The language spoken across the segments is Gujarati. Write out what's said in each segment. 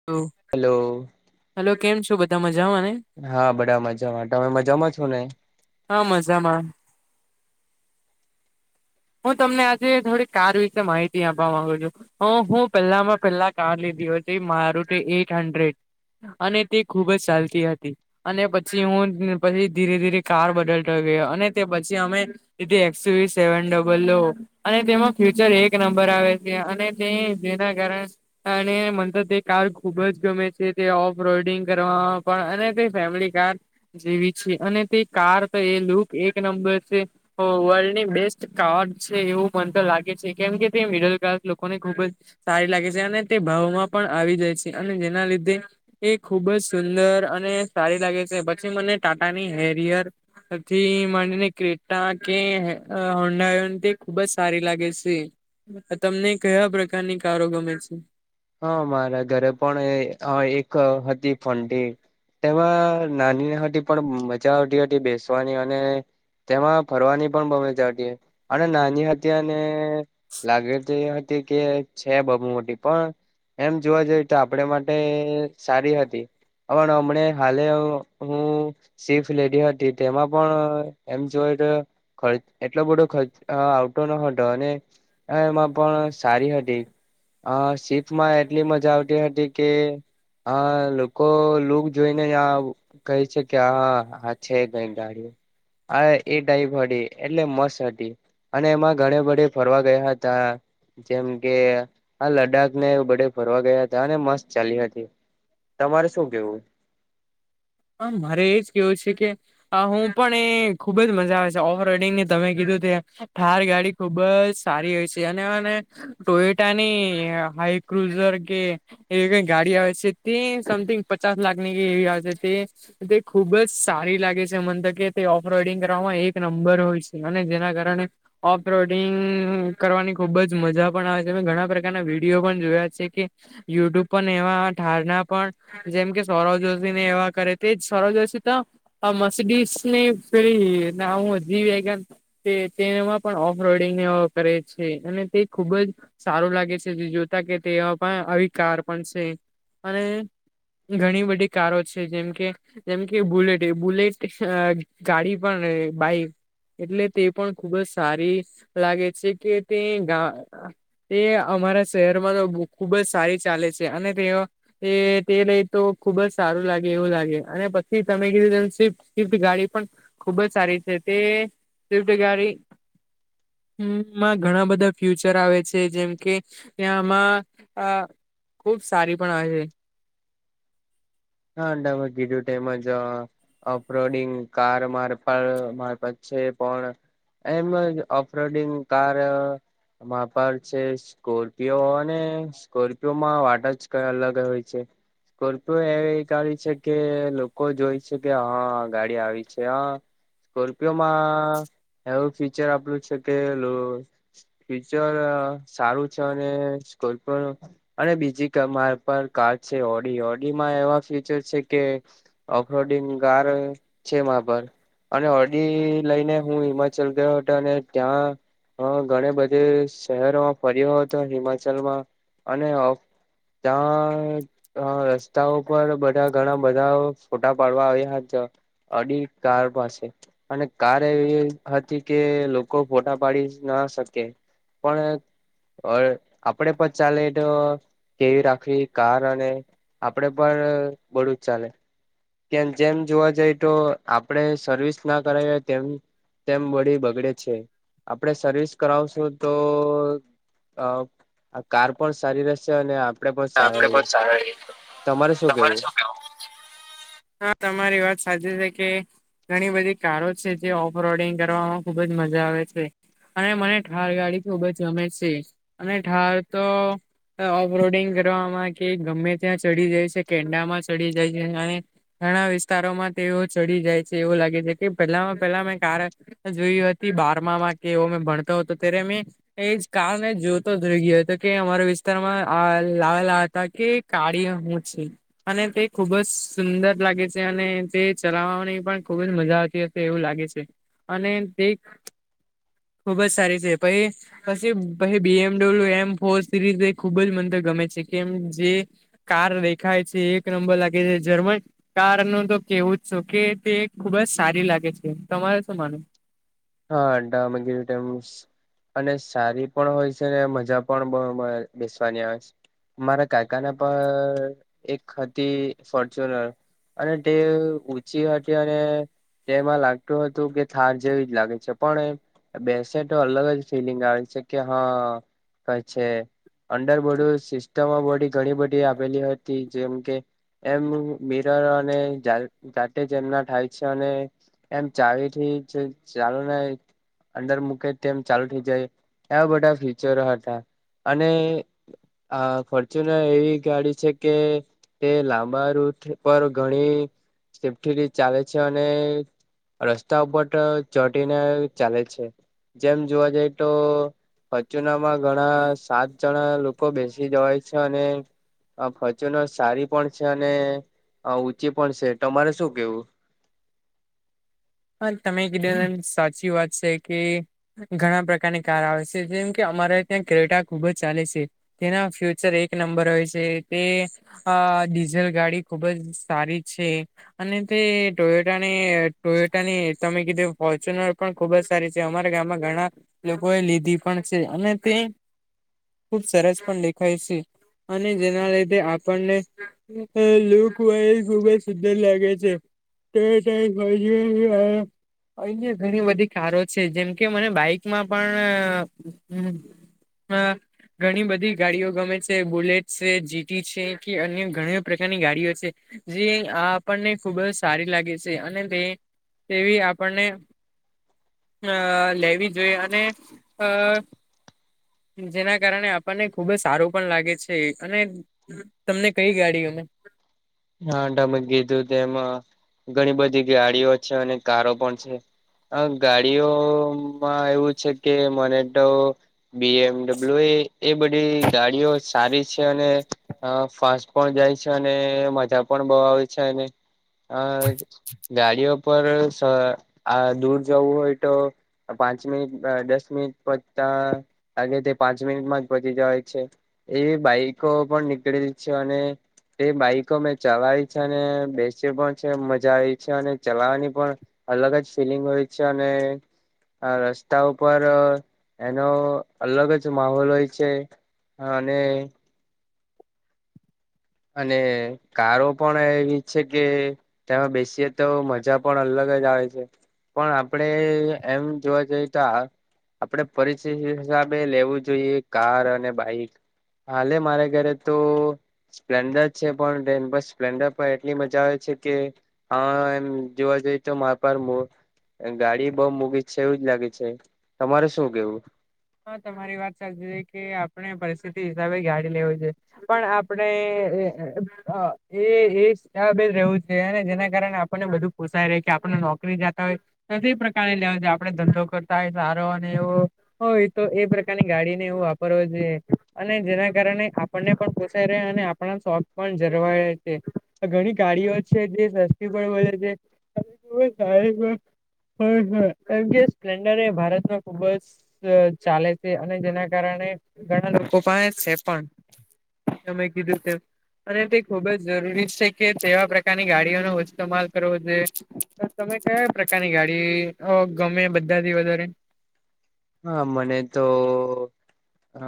[inaudible] હેલો. હલો, કેમ છો, બધા મજામાં ને? હા બધા મજામાં. તમે મજામાં છો ને? હા મજામાં. હું તમને આજે થોડીક કાર વિશે માહિતી આપવા માગુ છું. હું-હું પહેલામાં પહેલા કાર લીધી હતી મારૂતિ એઈટ હન્ડ્રેડ. અને તે ખુબ જ સાલતી હતી. અને પછી હું પછી ધીરે-ધીરે કાર બદલતો ગયો, અને તે પછી અમે [unintelligible] થી એક્સ યુ વી સેવન ડ [unintelligible] લો અને તેમાં ફ્યુચર એક નંબર આવે છે, અને તે જેના કારણે અને મન તો તે કાર ખુબ જ ગમે છે, તે ઓફ રોડિંગ કરવામાં પણ, અને તે ફેમિલી કાર જેવી છે, અને તે કાર તો એ લુક એક નંબર છે, વર્લ્ડની બેસ્ટ કાર છે, એવું મન તો લાગે છે, કેમ કે તે મિડલ ક્લાસ લોકોને ખુબ જ સારી લાગે છે, અને તે ભાવમાં પણ આવી જાય છે, અને જેના લીધે એ ખુબ જ સુંદર અને સારી લાગે છે. પછી મને ટાટા ની હેરિયર હથી માંડીને ક્રેટા કે અહ હોંડા [unintelligible] ખુબ જ સારી લાગે છે. તમને કયા પ્રકારની કારો ગમે છે? હા મારા ઘરે પણ એ અહ એક હતી ફંટી. તેમાં નાની હતી, પણ મજા આવતી હતી બેસવાની, અને તેમાં ફરવાની પણ મજા આવતી. અને નાની હતી અને લાગે તો એ હતી કે છે બહું મોટી, પણ એમ જોવા જઈ તો આપડ માટે સારી હતી. પણ હમણે હાલે હું ચીફ લેડી હતી તેમાં પણ એમ જોય તો. ખર્ચ એટલો બડો ખર્ચ આવતોો ન હતો અને હ એમાં પણ સારી હતી આ સી લાસ્ટ માં એટલી મજા આવતી હતી કે હ લોકો લુક જોઈને. કઈ છે કે હા હા છે કઈ ગાડીયો - આ એટાઈ ભડી એટલે મસ્ત હતી - અને એમાં ઘણે બધે ફરવા ગયા હતા જેમ કે આ લ્ડાખ ને બડે ફરવા ગયા હતા અને મસ્ત ચાલી હતી તમારે શું કેવું. હમ્મ મારે એજ કેવું છે કે. હ હું પણ એ ખુબ જ મજા આવે છે ઓફ રડિંગ ને તમે કીધું ત થાર ગાડી. ખુબ જ સારી હોય છે અને મને ટોયટાની હાઈ ક્રુઝર કે એવી કઈ ગાડી આવે છે. તે સમથિંગ પચાસ લાખ ની એવી આવ છે તે. તે ખુબ જ સારી લાગે છે મને તો કે તે ઓફ રઈડિંગ કરવામાં એક નંબર હોય છે અને જેના કારણે ઓફલોડિંગ કરવાની ખુબ જ મજા પણ આવે છે મે ઘણા પ્રકારના વિડીયો પણ જોયા છ કે. યુટ્યુબ પણ એવા ઠારના પણ જેમ કે સૌરવ જોશી ને એવા. કરે તેજ સોરવ જોશી તો મસડીસ ની ફને હું હજી. તે તેમાં પણ ઓફ રડંગ કરે છે અને તે ખુબ જ. સારું લાગે છે જે જોતા કે તે પણ અવિકાર પણ છે અને ઘણી બધી કારો છે. જેમ કે જેમ કે બુલેટ બુલેટ ગાડી પણ રે બાઈક. એટલે તે પણ ખુબ જ સારી લાગે છે કે તે. તે અમારા શહેરમાં તો ખુબ જ સારી ચાલે છે અને તે એ તે લઈ તો ખુબ જ સારું લાગે. એવું લાગે અને પછી તમે કીધું સ્ફ્ટ સ્વિફ્ટ ગાડી પણ ખુબ જ સારી છે તે. સ્વીફ્ટ ગાડી મા ઘણા બધા ફ્યુચર આવે છે જેમ કે. ત્યાં આમાં અ ખુબ સારી પણ આવે છે. હા તમે કીધું તેમજ અપરોડિંગ કાર મારફ મારફત છે પણ એમજ ઓફરોડિંગ કાર વાપાર છે. સ્કોર્પિયો હોવા ને સ્કોર્પિયોમાં વાટા જ કઈ અલગ હોય છે. સ્કોર્પિયો એ [unintelligible] છે કે લોકો જોય છે કે હા ગાડી આવી છે હ. સ્કોર્પિયોમાં એવું ફીચર આપલું છે કે. ફીચર સારું છે અને કોઈ પણ. અને બીજી મારે પર કાર છે ઓડી ઓડીમાં એવા ફીચર છે કે. ઓફરોડિંગ ગાર છે મા પર. અને ઓડી લઈને હું હિમાચલ ગયો હતો અને ત્યાં. હા ઘણી બધી શહેરોમાં ફર્યો હતો હિમાચલમાં અને ત્યાં રસ્તાઓ પર બ ઘણા બધા ફોટા પાડવા આવ્યા હતા ઓડી કાર પાસે. અને કાર એવી હતી કે લોકો ફોટા પાડી ના શકે. પણ આપડે પણ ચાલે તો કેવી રાખવી કાર અને આપડે પણ બડું જ ચાલે કે જેમ જોવા જઈ તો આપણેે સર્વિસ ના કરાવી હોય તેમ તેમ બોડી બગડે છે આપડે સર્વિસ કરાવશું તો આ કાર પણ સારી રહેશે અને પણ [unintelligible] સારા રહીએ. તમારે તમારે કેવું શું કેવા હા તમારી વાત સાચી છે કે ઘણી બધી કારો છે જે ઓફ રોડિંગ કરવામાં ખુબ જ મજા આવે છે. અને મને ઠાર ગાડી ખૂબ જ રમે છે અને ઠાર તો ઓફરોડિંગ કરવામાં કે ગમે ત્યાં ચડી જાય છે કેન્ડામાં ચડી જાય છે અને ઘણા વિસ્તારોમાં તેઓ ચડી જાય છે એવું લાગે છે કે પેલામાં પેલા મેં કાર જોય હતી બારમા માં કે એવો મેં ભણતો હતો ત્યારે મેં એજ કારણણે જોતો જઈ ગયો તો કે અમારા વિસ્તારમાં લ લ ત કે કાઢી મુછ અને તે ખુબ જ સુંદર લાગે છે અને તે ચલાવવાની પણ ખુબ જ મજા આવતી હતી. એવું લાગે છે અને તે ખુબ જ સારી છે પછ પીછી બી એમડબલ્યુ એમ ફોર સિરીઝ એ ખુબ જ મન તો ગમે છે કેમ જે કાર દેખાય છે એક નંબર લાગે છે જર્મન કાર ન તો કેવું જ છ કે તે ખુબ જ સારી લાગે છે તમારે શું માનું? હા અડા મગમસ અને સારી પણ હોય છે ને મજા પણ બેસવાની આવે છે. મારા કાકાના પર એક હતી ફોર્ચ્યુનર અને તે ઊંચી હતી અને તેમાં લાગતું હતું કે થાર જેવી જ લાગે. પણ બેસે તો અલગ જ ફિલિંગ આવે છે કે હા કઈ છે. અંડર બોડ સિસ્ટમ બોડી ઘણી બધી આપેલી હતી જેમ કે એમ મિરર અને જાતેજ એમના થાય છે અને એમ ચાવી ઠી છે ચાલુ ને અંદર મૂકે તેમ ચાલુ થઇ જાય એવા બધા ફીચરો હતા અને આ ફોર્ચ્યુન એવી ગાડી છે કે તે લાંબા રૂટ પર ઘણી સેફ્ટી રી ચાલે છે અને રસ્તા ઉપર ચોટીને ચાલે છે જેમ જોવા જઈ તો અચુનામાં ઘણા સાત જણા લોકો બેસી જવાય છે અને આ ફચનો સારી પણ છે અને ઊંચી પણ છે તમારે શું કેવું? હ તમે કીધું સાચી વાત છે કે ઘણા પ્રકારની કાર આવે છે જેમ કે અમારે ત્યાં ક્રેટા ખુબ જ ચાલે છે. તેના ફ્યુચર એક નંબર હોય છે તે આ ડીઝલ ગાડી ખુબ જ સારી છે. અને તે ટોયટ અને ટોયટ ની તમે કીધું ફોર્ચ્યુનર પણ ખુબ જ સારી છે અમારા ગામમાં ઘણા લોકો એ લીધી પણ છે અને તે ખૂબ સરસ પણ દેખાય છે અને જેના લીધે આપણને લુક વાઈઝ ખુબ જ સુંદર લાગે છે. હમ અહીયા ઘણી બધી કારો છે જેમકે મને બાઈકમાં પણ હા ઘણી બધી ગાડીઓ ગમે છે બુલેટ છે જીટી છે કે અન્ય ઘણી પ્રકારની ગાડીઓ છે. જે આપણને ખુબ જ સારી લાગે છે અને તે તેવી આપણને અ લેવી જોઈએ અને અ જેના કારણે આપણને ખુબ જ સારું પણ લાગે છે અને તમને કઈ ગાડી ગમે? હા તમે કીધું તે એમાં ઘણી બધી ગાડીઓ છે અને કારો પણ છે. હ ગાડીઓમાં એવું છે કે મને તો બી એમડબલ્યુ એ એ બધી ગાડીઓ સારી છે અને હ ફાસ્ટ પણ જાય છે અને મજા પણ બહુ આવે છે ગાડીઓ પર આ દૂર જવું હોય તો? પાંચ મિનિટ દસ મિનિટ પતા લાગે તે પાંચ મિનિટમાં જ પચી જવાય છે. એ બાઈકો પણ નીકળે છે અને એ બાઈક મેં ચલાવી છે અને બેસયો પણ છે મજા આવી છે અને ચલાવાની પણ અલગ જ ફિલિંગ હોય છે અને હ રસ્તા ઉપર એનો અલગ જ માહોલ હોય છે. હા અને અને કારો પણ એવી છે કે તેમાં બેસીએ તો મજા પણ અલગ જ આવે છે. પણ આપડે એમ જોવા જઈ તો આપડે પરિસ્થિતિ હિસાબે લેવું જોઈએ કાર અને બાઈક. હાલે મારે ઘરે તો. સ્પ્લેન્ડર છે પણ બસ સ્પ્લેન્ડર પણ એટલી મજા આવે છે કે હા એમ જોવા જઈ તો માર પાર મો ગાડી બઉ મૂંઘી છે એવું જ લાગે છે. તમારે શું કેવું? હા તમારી વાત સાચી છે કે આપણે પરિસ્થિતિ હિસાબે ગાડી લેવી જોઈએ. પણ આપણે એ એ જ હિસાબે રેવુ જોઈએ અને જેના કારણે આપણને બધું પૂછાય રે કે આપણે નોકરી જતા હોય. તો કઈ પ્રકારે લેવાની જો આપણે ધંધો કરતા હોય સારો અને એવો. હોય તો એ પ્રકારની ગાડીને એવું વાપરવા જોઈએ અને જેના કારણે આપણને પણ પોસાય રહે અને આપણા શોખ પણ જરવાયે છે ઘણી ગાડીઓ છે જે સસ્તી પણ મળે છે. સ્પ્લેન્ડર એ ભારતમાં ખુબ જ. ચાલે છે અને જેના કારણે ઘણા લોકો પણ છે પણ. મેય કીધુંતે. અને તે ખુબ જ જરૂરી છે કે તેવા પ્રકારની ગાડીઓનો ઈસ્તમાલ કરવો જોઈએ. તમે કયા પ્રકારની ગાડી ગમે બધા થી વધારે? હા મને તો અ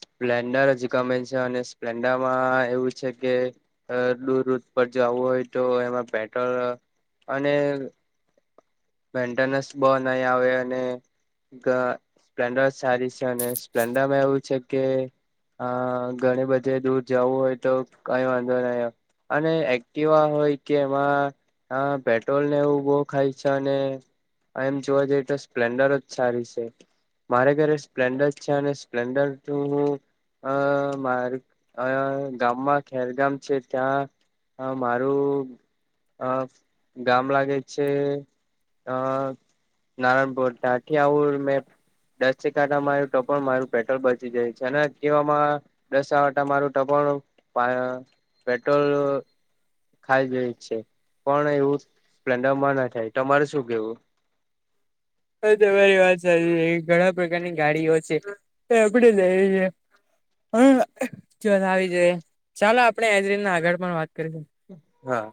સ્પ્લેન્ડર જ ગમે છે અને સ્પ્લેન્ડરમાં એવું છે કે અ દૂર રૂટ પર જવુ હોય તો એમાં પેટ્રોલ અને મેન્ટેનન્સ બહ નહીં આવે અને સ્પ્લેન્ડર સારી છે અને સ્પ્લેન્ડરમાં એવું છે કે હા ઘણી બધે દૂર જવું હોય તો કઈ વાંધો નહી. અને એક્ટિવા હોય કે એમાં પેટ્રોલ ને એવું બવ ખાય છે. અને એમ જોવા જઈએ તો સ્પ્લેન્ડર જ સારી છે. મારે ઘરે સ્પ્લેન્ડર છે અને સ્પ્લેન્ડર તો હું અ મારે અ ગામમાં ખેર ગામ છે ત્યાં. હ મારું ગામ લાગે છે. અ નારણપુર તા થી આવું મેં દસ એક આટા મારૂ તો પણ મારું પેટ્રોલ બચી જાય છે અને એકટીવા માં દસ આટા મારુ તો પણ પેટ્રોલ ખાઈ જઈ છે પણ એવું પ્લન્ડરમાં ના થાય. તમારે શું કેવું? હવે તમારી વાત સારી છે ઘણા પ્રકારની ગાડીઓ છે એ આપણેે લઈએ છે. હ ચલ આવી જ ચાલો આપણે એજરીન ના આગળ પણ વાત કરીશું. [unintelligible] હા